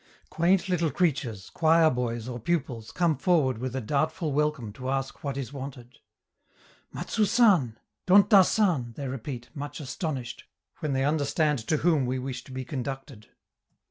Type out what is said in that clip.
Quaint little creatures, choir boys or pupils, come forward with a doubtful welcome to ask what is wanted. "Matsou San!! Dondta San!!" they repeat, much astonished, when they understand to whom we wish to be conducted.